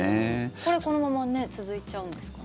これ、このまま続いちゃうんですかね。